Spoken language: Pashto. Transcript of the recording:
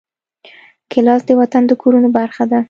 ګیلاس د وطن د کورونو برخه ده.